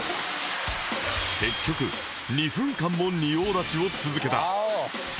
結局２分間も仁王立ちを続けた